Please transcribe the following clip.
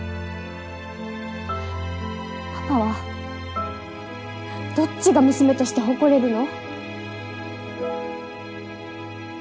パパはどっちが娘として誇れるの？